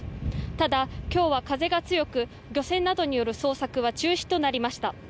ただ、今日は風が強く漁船などによる捜索は中止となりました。